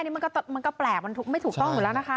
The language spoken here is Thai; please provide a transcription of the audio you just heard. นี่มันก็แปลกมันไม่ถูกต้องอยู่แล้วนะคะ